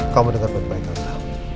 kamu dengar baik baik aja